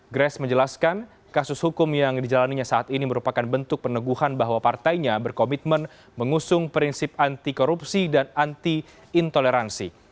grace menjelaskan kasus hukum yang dijalannya saat ini merupakan bentuk peneguhan bahwa partainya berkomitmen mengusung prinsip anti korupsi dan anti intoleransi